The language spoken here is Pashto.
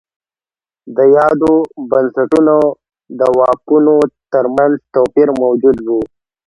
د یادو بنسټونو د واکونو ترمنځ توپیر موجود و.